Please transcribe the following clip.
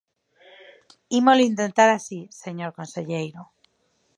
Ímolo intentar así, señor conselleiro.